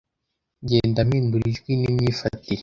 ngenda mpindura ijwi n’imyifatire.